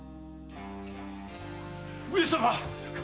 上様！